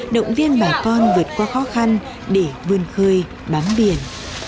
động viên bà con vượt qua khó khăn để vươn khơi bám biển